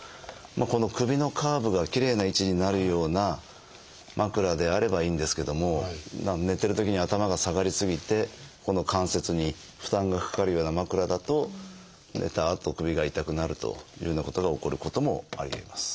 この首のカーブがきれいな位置になるような枕であればいいんですけども寝てるときに頭が下がり過ぎてここの関節に負担がかかるような枕だと寝たあと首が痛くなるというようなことが起こることもありえます。